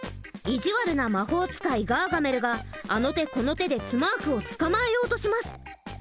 意地悪な魔法使いガーガメルがあの手この手でスマーフをつかまえようとします。